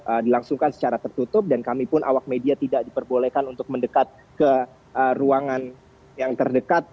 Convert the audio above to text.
namun agenda dilangsungkan secara tertutup dan kami pun awak media tidak diperbolehkan untuk mendekat ke ruangan yang terdekat